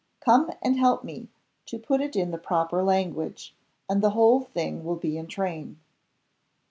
Come and help me to put it in the proper language, and the whole thing will be in train."